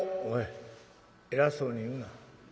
「おい偉そうに言うな。